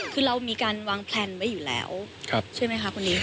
คือเรามีการวางแพลนไว้อยู่แล้ว